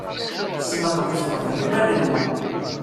Sneqdet qbel iman-nwen.